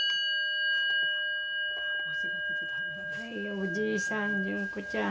おじいさん順子ちゃん。